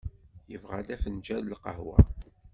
Yebɣa-d afenǧal n lqahwa.